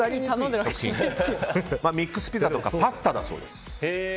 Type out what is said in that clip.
ミックスピザとかパスタだそうです。